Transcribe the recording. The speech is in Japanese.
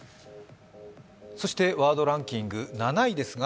そしてワードランキング７位ですが。